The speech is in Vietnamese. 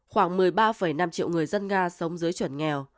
khoảng một mươi ba năm triệu người dân nga sống dưới chuẩn nghèo